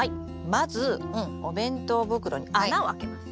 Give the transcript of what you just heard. まずお弁当袋に穴をあけます。